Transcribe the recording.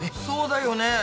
そうだよね。